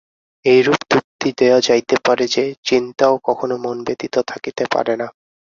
এইরূপ যুক্তি দেওয়া যাইতে পারে যে, চিন্তাও কখনও মন ব্যতীত থাকিতে পারে না।